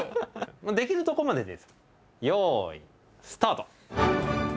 できるとこまででよいスタート！